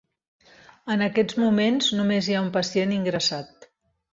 En aquests moments només hi ha un pacient ingressat.